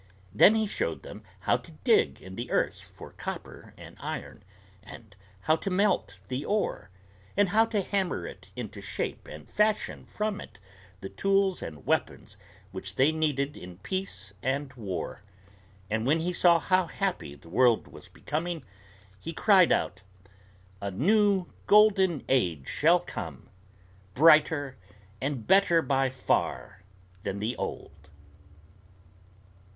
Then he showed them how to dig in the earth for copper and iron, and how to melt the ore, and how to hammer it into shape and fashion from it the tools and weapons which they needed in peace and war; and when he saw how happy the world was becoming he cried out: "A new Golden Age shall come, brighter and better by far than the old!"